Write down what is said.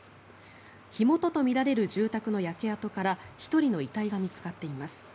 火元とみられる住宅の焼け跡から１人の遺体が見つかっています。